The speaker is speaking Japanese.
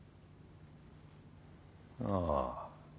ああ。